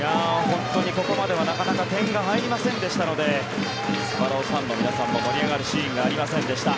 本当にここまではなかなか点が入りませんでしたのでスワローズファンの皆さんも盛り上がるシーンがありませんでした。